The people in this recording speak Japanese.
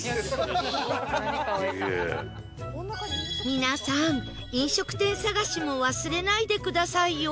皆さん飲食店探しも忘れないでくださいよ